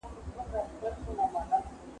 زه کتاب نه ليکم!!